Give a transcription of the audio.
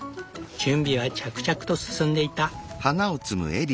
準備は着々と進んでいった。